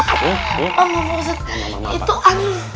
mama fawzat itu anu